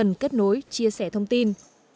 cần kết nối chia sẻ thông tin